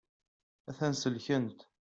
A-t-an selkent.